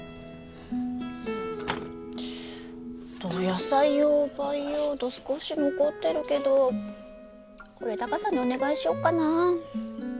野菜用培養土少し残ってるけどこれタカさんにお願いしよっかな。